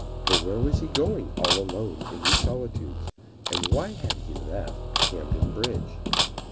But where was he going all alone in these solitudes and why had he left Camden Bridge?